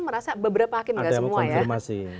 merasa beberapa hakim gak semua ya ada konfirmasi